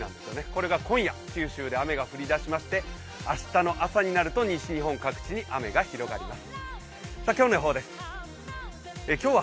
これが今夜、九州で雨が降りだしまして明日の朝になると西日本各地に雨が広がります。